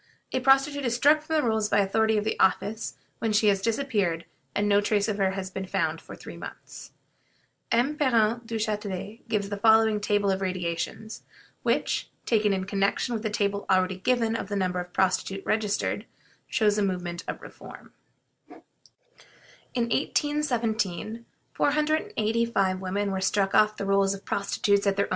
A prostitute is struck from the rolls by authority of the office when she has disappeared, and no trace of her has been found for three months. M. Parent Duchatelet gives the following table of radiations, which, taken in connection with the table already given of the number of prostitutes registered, shows the movement of reform: ++|| Women struck off the Rolls of ||| Prostitutes | |Years.